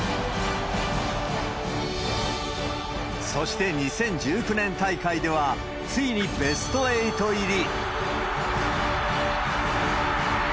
そして２０１９年大会では、ついにベスト８入り。